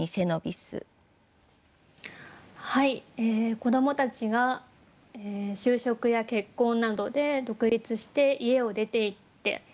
子どもたちが就職や結婚などで独立して家を出ていった。